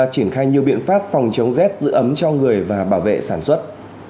chỉnh khai nhiều biện pháp phòng chống z giữ ấm cho người và bảo vệ sản xuất